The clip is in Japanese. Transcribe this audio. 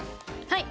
はい。